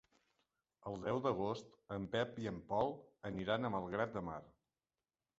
El deu d'agost en Pep i en Pol aniran a Malgrat de Mar.